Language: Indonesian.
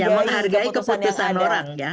ya menghargai keputusan orang ya